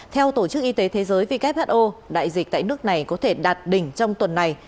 theo tổ chức y tế thế giới who đại dịch tại nước này có thể đạt đỉnh trong tuần này